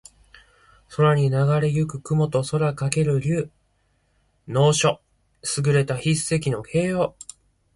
空にながれ行く雲と空翔ける竜。能書（すぐれた筆跡）の形容。